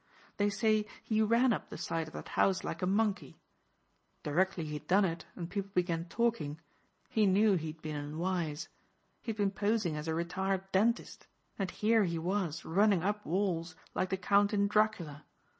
They say he ran up the side of that house like a monkey. Directly he had done it and people began talking he knew he'd been unwise. He had been posing as a retired dentist and here he was running up walls like the count in Dracula.